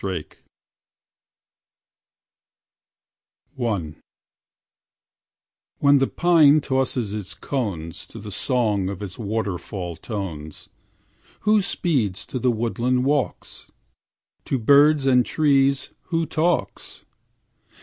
WOODNOTES I 1 When the pine tosses its cones To the song of its waterfall tones, Who speeds to the woodland walks? To birds and trees who talks?